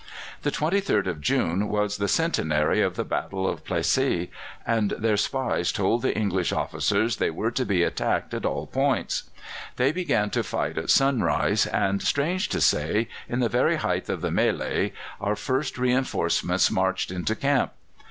The 23rd of June was the centenary of the Battle of Plassey, and their spies told the English officers they were to be attacked at all points. They began to fight at sunrise, and, strange to say, in the very height of the mêlée our first reinforcements marched into camp!